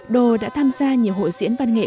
đô đã tham gia nhiều hội diễn văn nghệ